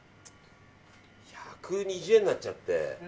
１２０円になっちゃって。